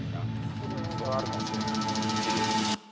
それはあるかもしれない。